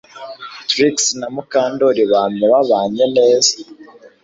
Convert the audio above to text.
Trix na Mukandoli bamye babanye neza